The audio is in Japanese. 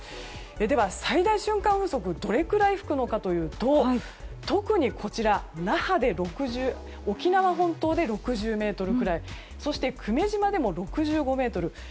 では最大瞬間風速どれくらい吹くのかというと特に沖縄本島で６０メートルぐらいそして久米島でも６５メートル。